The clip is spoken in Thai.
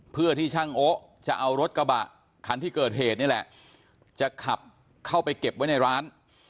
เพื่อที่ช่างโอ๊ะจะเอารถกระบะคันที่เกิดเหตุนี่แหละจะขับเข้าไปเก็บไว้ในร้าน